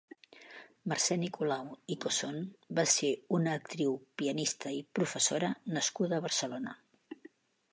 Mercè Nicolau i Cosson va ser una actriu, pianista i professora nascuda a Barcelona.